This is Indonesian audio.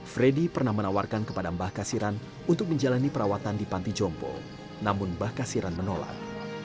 freddy pernah menawarkan kepada mbah kasiran untuk menjalani perawatan di panti jompo namun mbah kasiran menolak